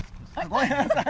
ごめんなさい。